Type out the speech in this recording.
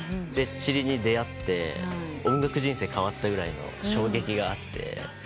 レッチリに出会って音楽人生変わったぐらいの衝撃があって。